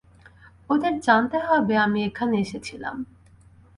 ওদের জানতে হবে আমি এখানে এসেছিলাম!